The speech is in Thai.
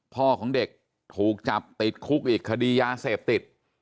พ่อของเด็กถูกจับติดคุกอีกคดียาเสพติด